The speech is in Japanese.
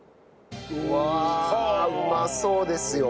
うわあ！うまそうですよ。